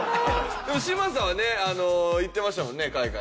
嶋佐はね行ってましたもんね海外。